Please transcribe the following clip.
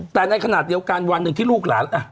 แต่ในขณะเดียวกันวันหนึ่งที่ลูกหลาน